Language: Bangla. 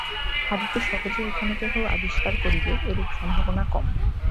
হারুকে সহজে এখানে কেহ আবিষ্কার করিবে, এরূপ সম্ভাবনা কম।